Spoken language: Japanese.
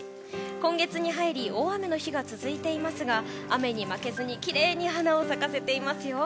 今月に入り大雨の日が続いていますが雨に負けずにきれいに花を咲かせていますよ。